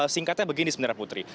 singkatnya begini sebenarnya putri